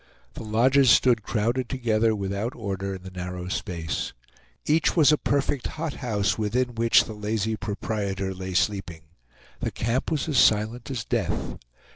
The lodges stood crowded together without order in the narrow space. Each was a perfect hothouse, within which the lazy proprietor lay sleeping. The camp was silent as death.